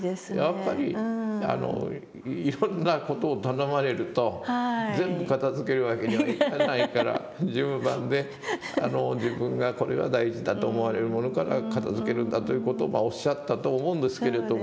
やっぱりいろんな事を頼まれると全部片づけるわけにはいかないから順番で自分がこれは大事だと思われるものから片づけるんだという事をおっしゃったと思うんですけれども。